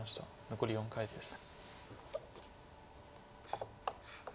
残り４回です。